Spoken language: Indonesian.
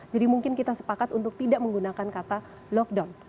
jadi mungkin kita sepakat untuk tidak menggunakan kata lockdown